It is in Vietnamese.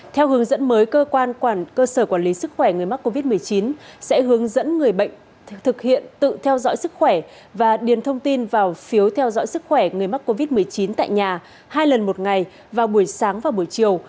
theo hướng dẫn mới cơ sở quản lý sức khỏe người mắc covid một mươi chín sẽ hướng dẫn người bệnh thực hiện tự theo dõi sức khỏe và điền thông tin vào phiếu theo dõi sức khỏe người mắc covid một mươi chín tại nhà hai lần một ngày vào buổi sáng và buổi chiều